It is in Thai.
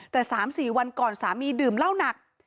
แต่๓๔วันก่อนสามีดื่มเหล้าหนัก